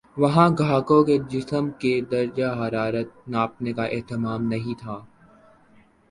وہاں گاہکوں کے جسم کے درجہ حرارت ناپنے کا اہتمام نہیں تھا